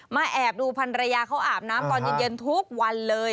มาแอบดูภัณฑ์ระยะเขาอาบน้ำตอนหยุดเย็นทุกวันเลย